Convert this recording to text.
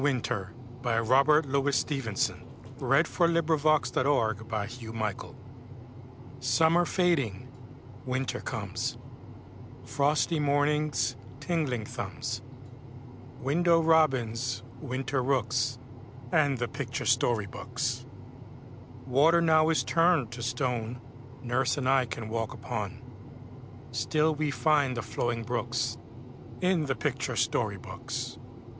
How great and cool the rooms! PICTURE BOOKS IN WINTER Summer fading, winter comes Frosty mornings, tingling thumbs, Window robins, winter rooks, And the picture story books. Water now is turned to stone Nurse and I can walk upon; Still we find the flowing brooks In the picture story books.